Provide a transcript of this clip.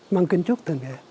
mang kiến trúc thuần viện